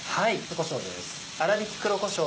こしょうです。